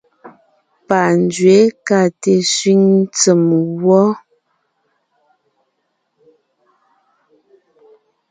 Panzwě ka te sẅíŋ tsèm wɔ.